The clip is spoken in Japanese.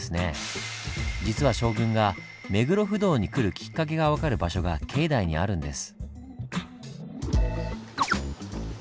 実は将軍が目黒不動に来るきっかけが分かる場所が境内にあるんです。